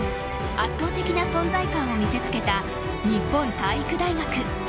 圧倒的な存在感を見せつけた日本体育大学。